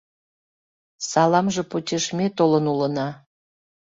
Саламже почеш ме толын улына.